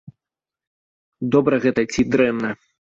Добра гэта ці дрэнна?